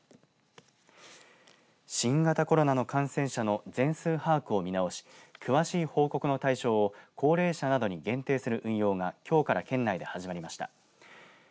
新型コロナの感染者の全数把握を見直し詳しい報告の対象を高齢者などに限定する運用がきょうから県内で始まりました。